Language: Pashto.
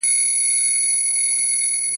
د واکمنانو ناسم سياستونه خلکو ته زيان رسوي.